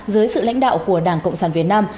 dưới sự lãnh đạo của đảng cộng sản việt nam